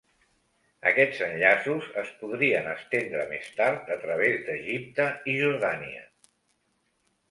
Aquests enllaços es podrien estendre més tard a través d'Egipte i Jordània.